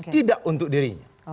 tidak untuk dirinya